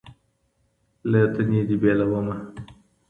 له تنې دي بېلومه